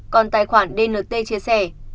còn tài khoản dnt chia sẻ